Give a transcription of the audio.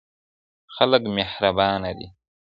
خلک مهربانه دي.